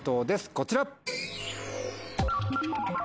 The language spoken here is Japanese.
こちら。